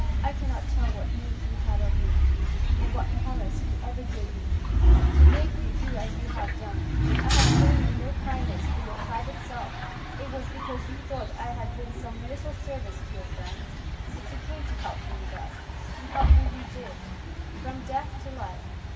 I cannot tell what need you had of me, or what promise you ever gave me, to make you do as you have done. I had shown you no kindness for your private self: it was because you thought I had been of some little service to your friends, that you came to help me thus, and help me you did, from death to life.